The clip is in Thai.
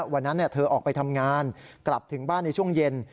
วันนั้นเธอออกไปทำงานกลับถึงบ้านในช่วงเย็น